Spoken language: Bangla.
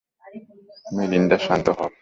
মেলিন্ডা, শান্ত হও।